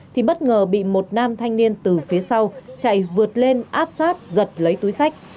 thì bất ngờ bị một nam thanh niên từ phía sau chạy vượt lên áp sát giật lấy túi sách